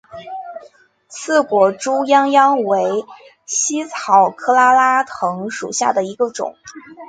刺果猪殃殃为茜草科拉拉藤属下的一个种。